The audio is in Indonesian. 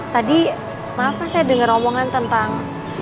tadi maaf pak saya dengar omongan tentang